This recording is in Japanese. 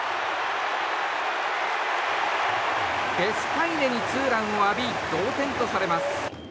デスパイネにツーランを浴び同点とされます。